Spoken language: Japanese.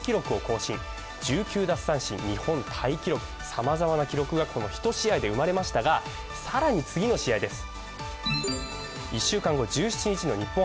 さまざまな記録がこの１試合で生まれましたが、更に次の試合です。